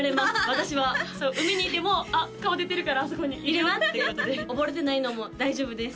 私は海にいても「あっ顔出てるからあそこにいるわ」っていうことで溺れてないのも大丈夫です